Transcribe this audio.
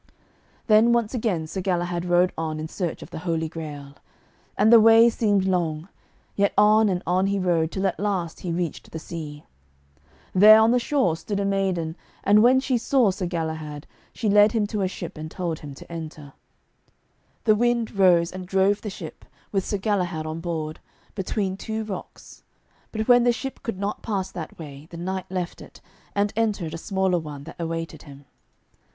Then once again Sir Galahad rode on in search of the Holy Grail. And the way seemed long, yet on and on he rode, till at last he reached the sea. There, on the shore, stood a maiden, and when she saw Sir Galahad, she led him to a ship and told him to enter. [Illustration: "MY STRENGTH IS AS THE STRENGTH OF TEN BECAUSE MY HEART IS PURE" Page 88] The wind rose and drove the ship, with Sir Galahad on board, between two rocks. But when the ship could not pass that way, the knight left it, and entered a smaller one that awaited him.